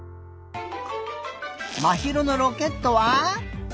まひろのロケットは？